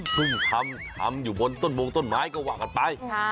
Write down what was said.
ทำทำอยู่บนต้นมงต้นไม้ก็ว่ากันไป